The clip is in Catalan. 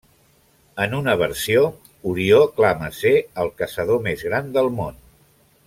En una versió, Orió clama ser el caçador més gran del món.